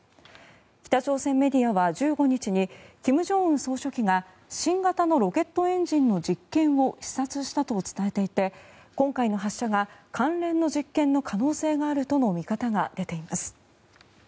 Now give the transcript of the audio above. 北朝鮮メディアは１５日に金正恩総書記が新型のロケットエンジンの実験を視察したと伝えていて今回の発射が関連の実験の可能性があるとの見方が出ています。